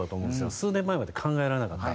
数年前まで考えられなかった。